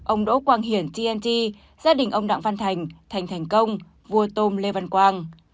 ông đỗ quang hiển tnt gia đình ông đặng văn thành thành công vua tôm lê văn quang